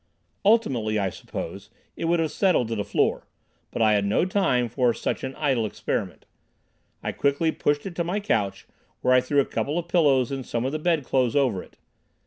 Ultimately, I suppose, it would have settled to the floor. But I had no time for such an idle experiment. I quickly pushed it to my couch, where I threw a couple of pillows and some of the bed clothes over it.